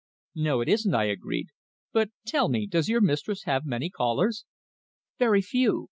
"No, it isn't," I agreed. "But, tell me, does your mistress have many callers?" "Very few.